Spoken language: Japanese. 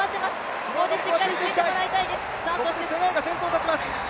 ここで、しっかりついていってもらいたいです。